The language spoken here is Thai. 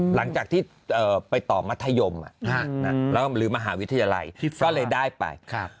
หลังจากที่ไปต่อมัธยมแล้วหรือมหาวิทยาลัยก็เลยได้ไป